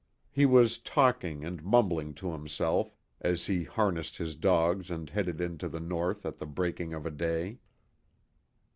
He was talking and mumbling to himself as he harnessed his dogs and headed into the North at the breaking of a day.